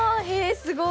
すごい！